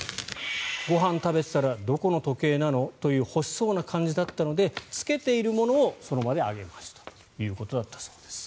ご飯を食べていたらどこの時計なの？という欲しそうな感じだったのでつけているものをその場であげましたということだったそうです。